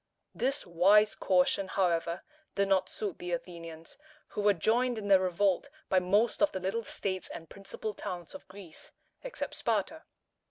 This wise caution, however, did not suit the Athenians, who were joined in their revolt by most of the little states and principal towns of Greece, except Sparta.